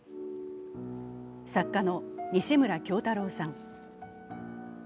作家の西村京太郎さん。